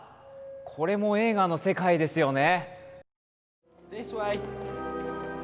これも映画の世界ですよね。